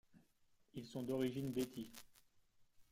Ils sont d'origine beti.